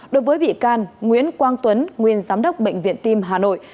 đối với bị can nguyễn quang tuấn nguyên giám đốc bệnh viện tim hà nội